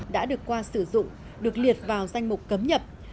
đã được qua sử dụng được liệt vào danh mục cấm nhập